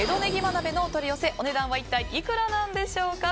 鍋のお取り寄せお値段は一体いくらなんでしょうか。